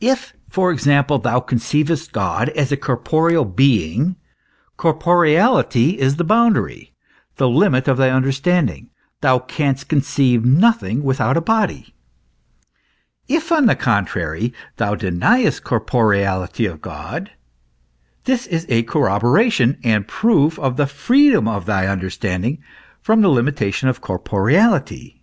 If, for example, thou conceivest God as a corporeal being, corporeality is the boundary, the limit of thy understanding, thou canst con ceive nothing without a body ; if on the contrary thou deniest corporeality of God, this is a corroboration and proof of the freedom of thy understanding from the limitation of corpo reality.